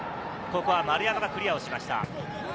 ここは丸山がクリアをしました。